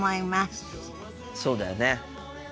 そうだよね。